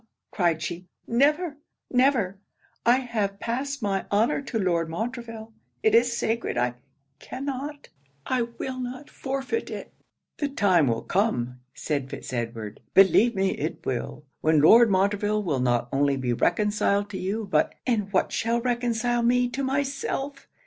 cried she 'never! never! I have passed my honour to Lord Montreville. It is sacred I cannot, I will not forfeit it!' 'The time will come,' said Fitz Edward, 'believe me it will, when Lord Montreville will not only be reconciled to you, but' 'And what shall reconcile me to myself?